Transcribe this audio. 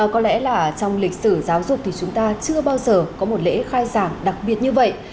có lẽ là trong lịch sử giáo dục thì chúng ta chưa bao giờ có một lễ khai giảng đặc biệt như vậy